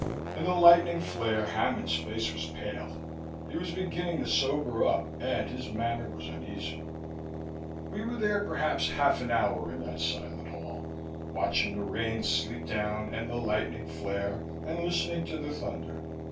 In the lightning flare, Hammond's face was pale. He was beginning to sober up, and his manner was uneasy. We were there perhaps half an hour in that silent hall, watching the rain sleet down and the lightning flare and listening to the thunder.